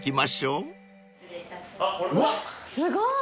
うわすごい！